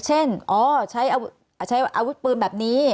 อย่างใช้อาวุธปืนแบบนี้